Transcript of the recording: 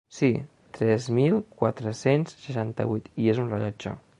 Si, tres mil quatre-cents seixanta-vuit, i es un rellotge.